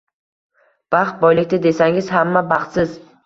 Baxt boylikda, desangiz, hamma baxtsiz